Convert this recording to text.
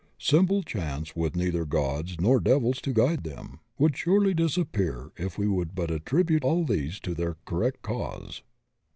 I, p. 643. 98 THE OCEAN OF THEOSOPHY simple chance with neither gods nor devils to guide them — would surely disappear if we would but attribute all these to their correct cause.